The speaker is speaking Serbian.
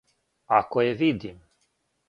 Ако је видим.